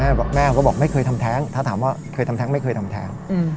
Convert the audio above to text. แม่ก็บอกไม่เคยทำแท้งถ้าถามว่าเคยทำแท้งไม่เคยทำแท้ง